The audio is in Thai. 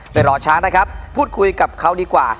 รอช้างนะครับพูดคุยกับเขาดีกว่า